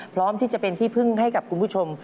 พร้อมที่จะเป็นที่พึ่งให้กับคุณผู้ชม